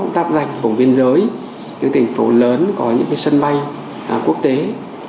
táp danh vùng biên giới những tỉnh phố lớn có những cái sân bay quốc tế những tỉnh phố lớn có